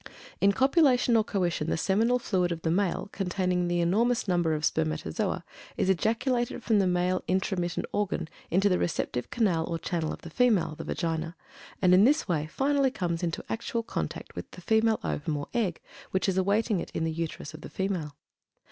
In copulation or coition the seminal fluid of the male, containing an enormous number of spermatozoa, is ejaculated from the male intromittent organ into the receptive canal or channel of the female (the Vagina), and in this way finally comes into actual contact with the female ovum or egg which is awaiting it in the Uterus of the female.